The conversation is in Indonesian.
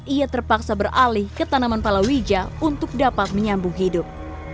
ia terpaksa beralih ke tanaman palawija untuk dapat menyambung hidup